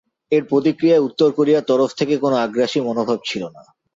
এর প্রতিক্রিয়ায় উত্তর কোরিয়ার তরফ থেকে কোনো আগ্রাসী মনোভাব ছিল না।